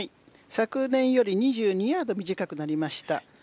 昨年より２２ヤード短くなりました。